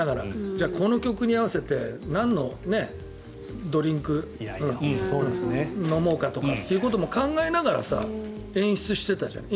じゃあ、この曲に合わせて何のドリンクを飲もうかとかということも考えながら演出していたじゃない。